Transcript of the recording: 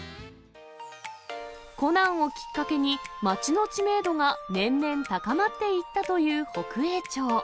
コナンをきっかけに、町の知名度が年々高まっていったという北栄町。